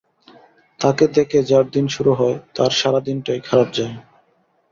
তাকে দেখে যার দিন শুরু হয়, তার সারা দিনটাই খারাপ যায়।